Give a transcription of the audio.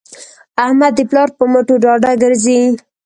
احمد د پلار په مټو ډاډه ګرځي.